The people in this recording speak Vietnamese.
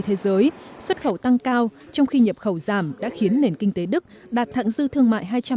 thế giới xuất khẩu tăng cao trong khi nhập khẩu giảm đã khiến nền kinh tế đức đạt thẳng dư thương